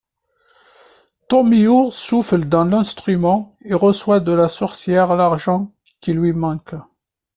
Tomillo souffle dans l'instrument et reçoit de la sorcière l'argent qui lui manque.